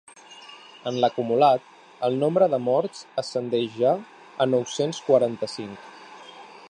En l’acumulat, el nombre de morts ascendeix ja a nou-cents quaranta-cinc.